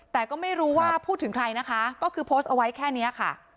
แต่ก็ไม่รู้ว่าพูดถึงใครนะคะก็คือโพสต์เอาไว้แค่นี้ค่ะ